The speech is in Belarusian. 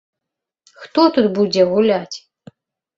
Хто тут будзе гуляць?